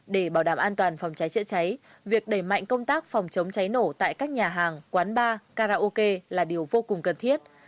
để bảo đảm an toàn phòng cháy chữa cháy việc đẩy mạnh công tác phòng chống cháy nổ tại các nhà hàng quán bar karaoke là điều vô cùng cần thiết